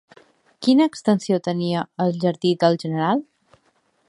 Quina extensió tenia el Jardí del General?